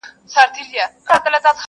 ته احمق یې خو له بخته ګړندی یې!.